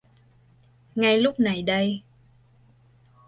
Ngay lúc này đây